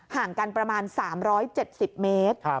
ห่างกันประมาณ๓๗๐เมตร